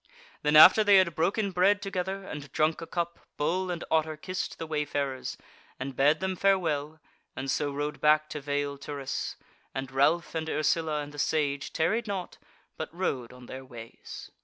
Then after they had broken bread together and drunk a cup Bull and Otter kissed the wayfarers, and bade them farewell and so rode back to Vale Turris, and Ralph and Ursula and the Sage tarried not but rode on their ways.